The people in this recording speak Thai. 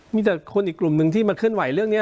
มีแต่คนอีกกลุ่มหนึ่งที่มาเคลื่อนไหวเรื่องนี้